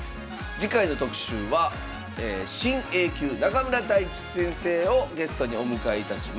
次回の特集は新Ａ級・中村太地先生をゲストにお迎えいたします。